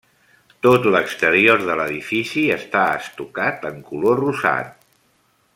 Tot l'exterior de l'edifici està estucat en color rosat.